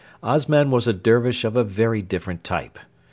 Osman was a Dervish of very different type.